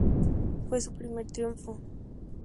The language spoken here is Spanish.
Fue su primer triunfo.